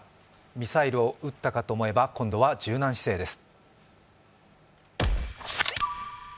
ミサイルを打ったかと思えば今度は柔軟姿勢です。